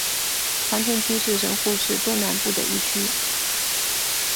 长田区是神户市中南部的一区。